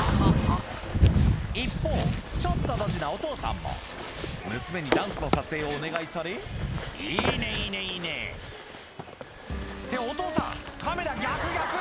一方ちょっとドジなお父さんも娘にダンスの撮影をお願いされ「いいねいいねいいねいいね」ってお父さんカメラ逆逆！